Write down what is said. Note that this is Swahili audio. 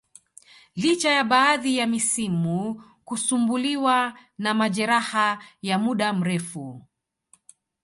licha ya baadhi ya misimu kusumbuliwa na majeraha ya muda mrefu